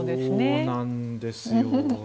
そうなんですよ。